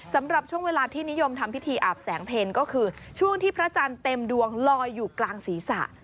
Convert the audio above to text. สำหรับช่วงเวลาที่นิยมทำพิธีอาบแสงเพลก็คือช่วงที่พระจันทร์เต็มดวงลอยอยู่กลางศีรษะ